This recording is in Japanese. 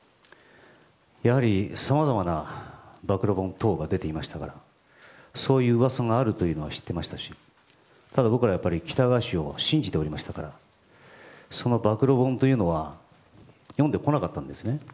やはり、さまざまな暴露本等が出ていましたからそういう噂があるというのは知ってましたしただ僕はやっぱり喜多川氏を信じておりましたからその暴露本というのは呼んでこなかったんですね。